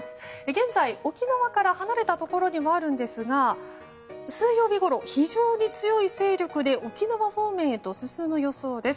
現在、沖縄から離れたところにあるんですが水曜日ごろ非常に強い勢力で沖縄方面へと進む予想です。